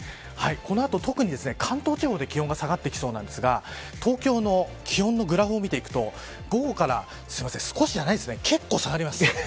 この後、特に関東地方で気温が下がってきそうなんですが東京の気温のグラフを見ていくと午後から少しじゃないですね結構、下がります。